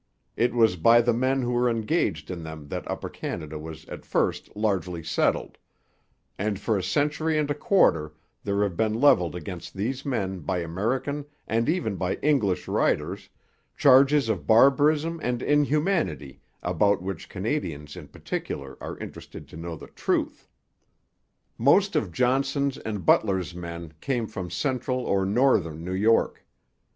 It was by the men who were engaged in them that Upper Canada was at first largely settled; and for a century and a quarter there have been levelled against these men by American and even by English writers charges of barbarism and inhumanity about which Canadians in particular are interested to know the truth. Most of Johnson's and Butler's men came from central or northern New York.